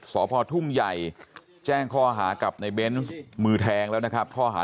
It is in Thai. สพทุ่งใหญ่แจ้งข้อหากับในเบนส์มือแทงแล้วนะครับข้อหา